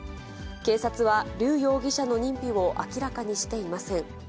警察は、劉容疑者の認否を明らかにしていません。